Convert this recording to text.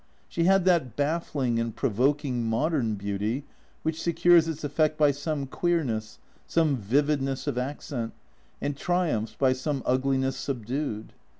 She had that baffling and pro voking modern beauty which secures its effect by some queer ness, some vividness of accent, and triumphs by some ugliness subdued.